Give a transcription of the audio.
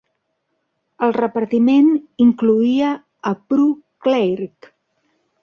El repartiment incloïa a Prue Clarke.